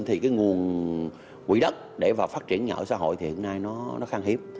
thì nguồn quỹ đất để phát triển nhà ở xã hội hiện nay nó khang hiếp